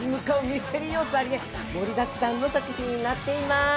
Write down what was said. ミステリー要素ありで盛りだくさんの作品になっています